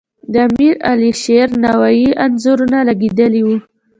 د امیر علیشیر نوایي انځورونه لګیدلي وو.